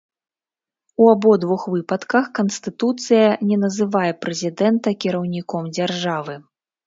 У абодвух выпадках канстытуцыя не называе прэзідэнта кіраўніком дзяржавы.